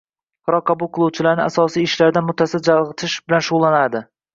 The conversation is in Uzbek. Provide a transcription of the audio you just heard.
qaror qabul qiluvchilarni asosiy ishlardan muttasil chalg‘itish bilan shug‘ullanadi.